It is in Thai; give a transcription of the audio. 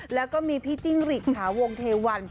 แล้วก็มีพี่จิ้งฤทธิ์ขณะวงเทวัน